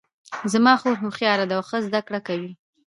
زما خور هوښیاره ده او ښه زده کړه کوي